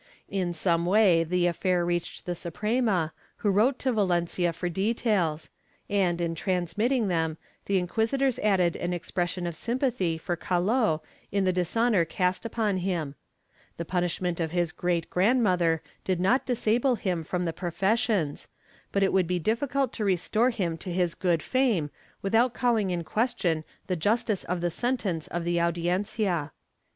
In some way the affair reached the Suprema, which wrote to Valencia for details and, in transmitting them, the inquisitors added an expression of sympath)^ for Calot in the dishonor cast upon him ; the punishment of his great grand mother did not disable him from the professions, but it would be difficult to restore him to his good fame without calling in question the justice of the sentence of the Audiencia.